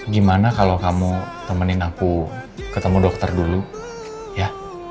gimana kalau kamu temenin aku ketemu dokter dulu ya